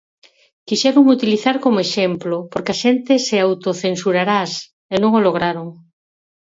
Quixéronme utilizar como exemplo, porque a xente se autocensurarás, e non o lograron.